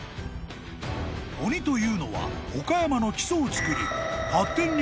［鬼というのは岡山の基礎をつくり］